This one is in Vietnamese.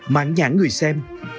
mang nhãn người xem